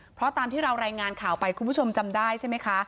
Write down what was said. เพราะตามที่เรารายงานข่าวไปคุณผู้ชมจำได้ใช่ไหมคะ